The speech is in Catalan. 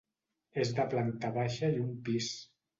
És de planta baixa i un pis.